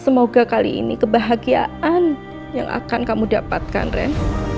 semoga kali ini kebahagiaan yang akan kamu dapatkan ren